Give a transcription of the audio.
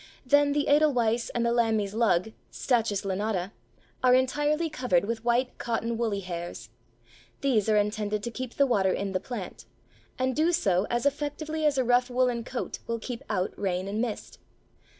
Then the Edelweiss and the Lammie's Lug (Stachys lanata) are entirely covered with white cotton woolly hairs: these are intended to keep the water in the plant, and do so as effectually as a rough woollen coat will keep out rain and mist.